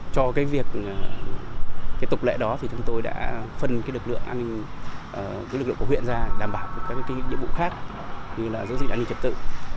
cho việc tục lệ đó chúng tôi đã phân lực lượng của huyện ra đảm bảo các nhiệm vụ khác như giữ gìn an ninh trật tự